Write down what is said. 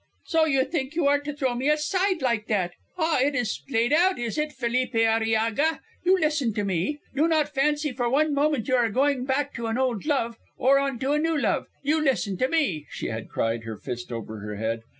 "So you think you are to throw me aside like that. Ah, it is played out, is it, Felipe Arillaga? You listen to me. Do not fancy for one moment you are going back to an old love, or on to a new one. You listen to me," she had cried, her fist over her head.